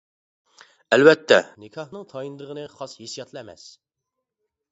ئەلۋەتتە نىكاھنىڭ تايىنىدىغىنى خاس ھېسسىياتلا ئەمەس.